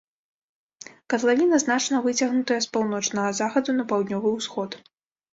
Катлавіна значна выцягнутая з паўночнага захаду на паўднёвы ўсход.